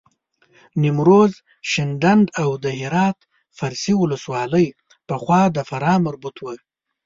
نیمروز، شینډنداو د هرات فرسي ولسوالۍ پخوا د فراه مربوط وه.